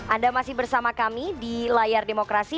anda masih bersama kami di layar demokrasi